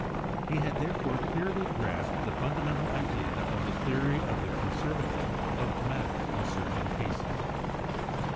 He had there 72 CHEMISTRY fore clearly grasped the fundamental idea of the theory of the conservatism of matter in certain cases.